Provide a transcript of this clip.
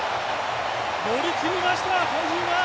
乗り切りました、体重が。